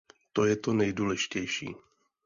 To je to nejdůležitější.